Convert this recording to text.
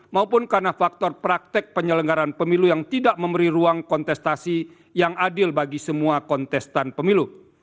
maupun karena faktor praktek penyelenggaran pemilu yang tidak memberi ruang kontestasi yang adil bagi semua kontestan pemilu